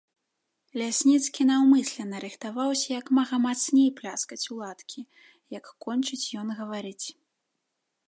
Лясніцкі наўмысля нарыхтаваўся як мага мацней пляскаць у ладкі, як кончыць ён гаварыць.